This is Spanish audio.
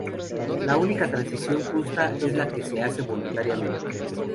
La única transacción justa es la que se hace voluntariamente.